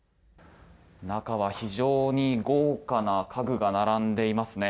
中は非常に豪華な家具が並んでいますね。